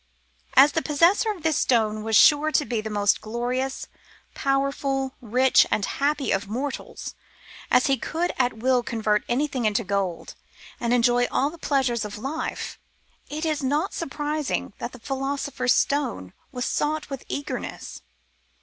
As the possessor of this stone was sure to be the most glorious, powerful, rich, and happy of mortals, as he could at will convert anything into gold, and enjoy all the pleasures of life, it is not surprising that the Philosopher's Stone was sought with eagerness.